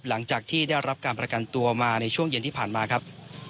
หลังจากที่ได้รับการประกันตัวมาในช่วงเย็นที่ผ่านมาครับ